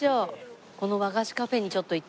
この和菓子カフェにちょっと行ってみませんか？